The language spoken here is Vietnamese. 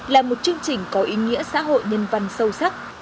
là một chương trình có ý nghĩa xã hội nhân văn sâu sắc